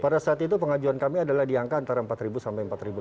pada saat itu pengajuan kami adalah di angka antara empat sampai empat lima ratus